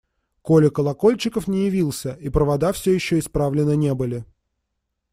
Коля Колокольчиков не явился, и провода все еще исправлены не были.